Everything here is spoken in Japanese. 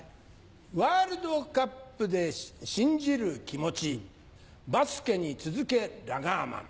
ワールドカップで信じる気持ちバスケに続けラガーマン。